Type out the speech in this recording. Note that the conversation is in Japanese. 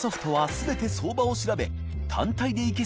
全て相場を調べ